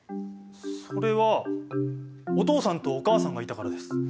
それはお父さんとお母さんがいたからです。